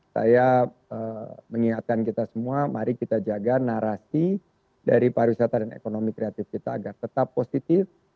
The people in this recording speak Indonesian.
saya mengingatkan kita semua mari kita jaga narasi dari pariwisata dan ekonomi kreatif kita agar tetap positif